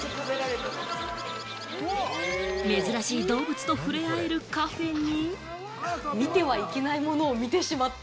珍しい動物と触れ合えるカフェに。